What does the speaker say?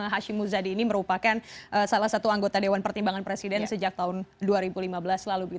hashim muzadi ini merupakan salah satu anggota dewan pertimbangan presiden sejak tahun dua ribu lima belas lalu